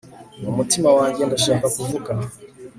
mu mutima wanjye ndashaka kuvuga